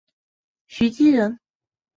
徐积人。